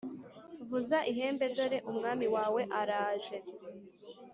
Vuza ihembe Dore umwami wawe araje